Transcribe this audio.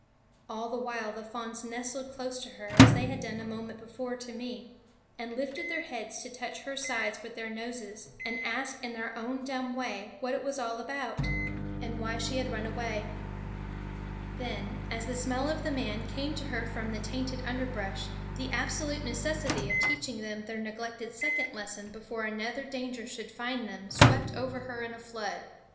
All the while the fawns nestled close to her, as they had done a moment before to me, and lifted their heads to touch her sides with their noses, and ask in their own dumb way what it was all about, and why she had run away. [Illustration: "THE WHITE FLAG SHOWING LIKE A BEACON LIGHT AS SHE JUMPED AWAY"] Then, as the smell of the man came to her from the tainted underbrush, the absolute necessity of teaching them their neglected second lesson before another danger should find them swept over her in a flood.